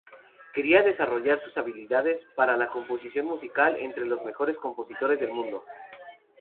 Quería desarrollar sus habilidades para la composición musical entre los mejores compositores del mundo.